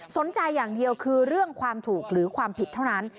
สนใจอย่างเดียวคือเรื่องความถูกหรือความผิดเท่านั้น